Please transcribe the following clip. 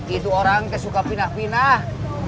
itu orang kesuka pinah pindah